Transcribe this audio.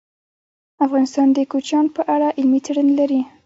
افغانستان د کوچیان په اړه علمي څېړنې لري.